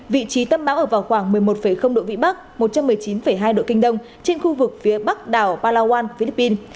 vị trí tâm bão ở vào khoảng một mươi một độ vĩ bắc một trăm một mươi chín hai độ kinh đông trên khu vực phía bắc đảo palawan philippines